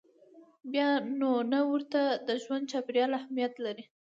بیا نو نه ورته د ژوند چاپېریال اهمیت لري.